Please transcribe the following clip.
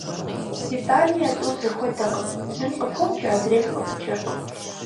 Итӏани а тӏур зэхуэдэкъым: зым къыпокӏэ, адрейм къыпыкӏэркъым.